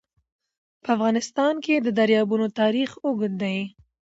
په افغانستان کې د دریابونه تاریخ اوږد دی.